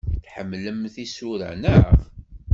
Tḥemmlemt isura, naɣ?